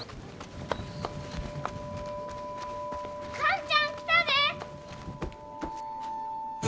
寛ちゃん来たで！